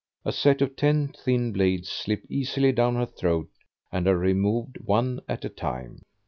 A set of ten thin blades slip easily down her throat and are removed one at a time.